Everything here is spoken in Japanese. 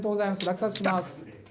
落札します。